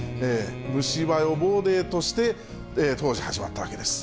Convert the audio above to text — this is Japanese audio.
虫歯予防デーとして、当時、始まったわけです。